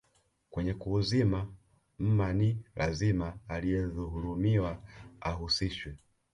Kwenye kuuzima mma ni lazima aliyedhulumiwa ahusishwe